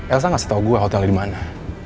elsa ngasih tau gue hotelnya dimana